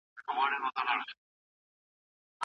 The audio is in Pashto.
که مورنۍ ژبه وي، نو زده کړه اسانېږي.